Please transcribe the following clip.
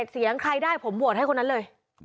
เสียงใครได้ผมโหวตให้คนนั้นเลย